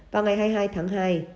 vào ngày hai mươi hai tháng hai